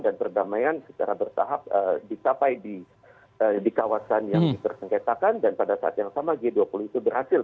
dan perdamaian secara bersahab disapai di kawasan yang disengketakan dan pada saat yang sama g dua puluh itu berhasil